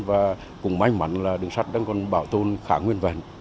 và cũng may mắn là đường sắt đang còn bảo tồn khá nguyên vẹn